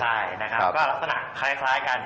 ใช่นะครับก็ลักษณะคล้ายกัน